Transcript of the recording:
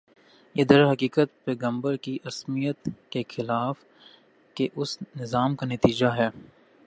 یہ درحقیقت پیغمبر کی عصمت کی حفاظت کے اس نظام کا نتیجہ ہے